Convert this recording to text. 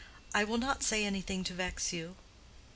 "I will not say anything to vex you.